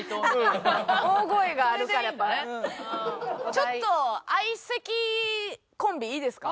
ちょっと相席コンビいいですか？